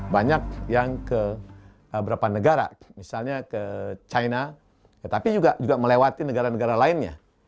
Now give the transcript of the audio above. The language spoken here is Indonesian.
banyak yang ke beberapa negara misalnya ke china tetapi juga melewati negara negara lainnya